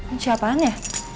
ini siapaan ya